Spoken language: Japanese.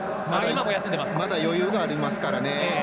まだ余裕がありますからね。